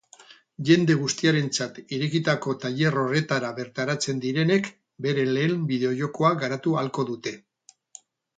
Jende guztiarentzat irekitako tailer horretara bertaratzen direnek beren lehen bideojokoa garatu ahalko dute.